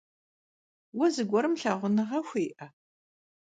Vue zıguerım lhağunığe xui'e?